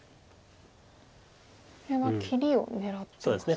これは切りを狙ってますか。